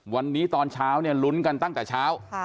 วันนี้ตอนเช้าเนี่ยลุ้นกันตั้งแต่เช้า